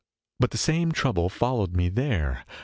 " But the same trouble followed me there.